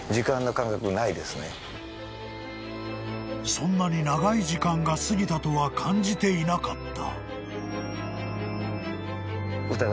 ［そんなに長い時間が過ぎたとは感じていなかった］